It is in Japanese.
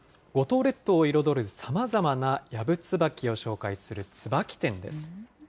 五島列島を彩るさまざまなやぶつばきを紹介するつばき展です。